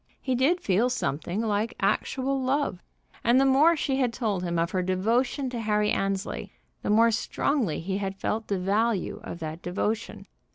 He did feel something like actual love. And the more she had told him of her devotion to Harry Annesley, the more strongly he had felt the value of that devotion.